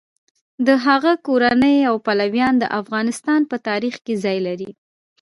د هغه کورنۍ او پلویان د افغانستان په تاریخ کې ځای لري.